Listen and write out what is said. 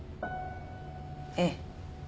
ええ。